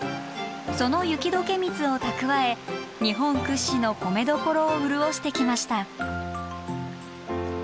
その雪解け水を蓄え日本屈指の米どころを潤してきました。